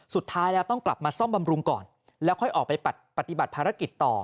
สุดท้ายแล้วต้องกลับมาซ่อมบำรุงก่อนแล้วค่อยออกไปปฏิบัติภารกิจต่อ